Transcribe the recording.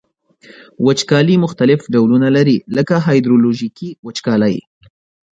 وچکالي مختلف ډولونه لري لکه هایدرولوژیکي وچکالي.